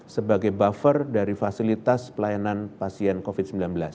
sebagai buffer dari fasilitas pelayanan pasien covid sembilan belas